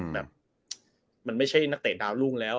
แบบมันไม่ใช่นักเตะดาวรุ่งแล้ว